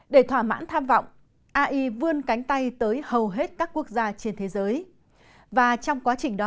để thỏa mãn tham vọng